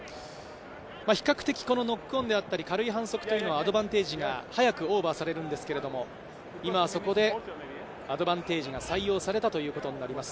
比較的ノックオンであったり、軽い反則というのはアドバンテージが早くオーバーされるんですが、今は、そこでアドバンテージが採用されたということになります。